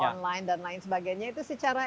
online dan lain sebagainya itu secara